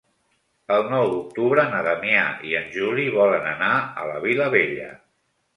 El nou d'octubre na Damià i en Juli volen anar a la Vilavella.